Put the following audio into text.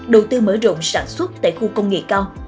đầu tư mở rộng sản xuất tại khu công nghệ cao